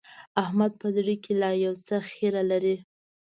احمد په زړه کې لا يو څه خيره لري.